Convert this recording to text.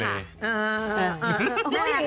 แต้เหลืออันข้าแม่